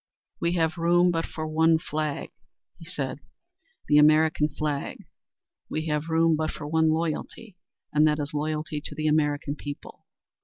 "We have room but for one flag," he said, "the American flag we have room but for one loyalty and that is loyalty to the American people."